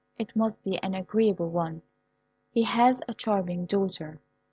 It must be an agreeable one. He has a charming daughter.